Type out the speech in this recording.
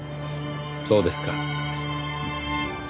そうですか。